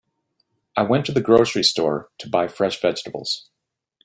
I went to the grocery store to buy fresh vegetables.